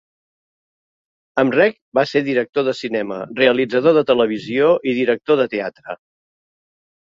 Emrek va ser director de cinema, realitzador de televisió i director de teatre.